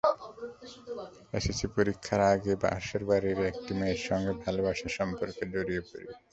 SSC পরীক্ষার আগে পাশের বাড়ির একটি মেয়ের সঙ্গে ভালোবাসার সম্পর্কে জড়িয়ে পড়ি।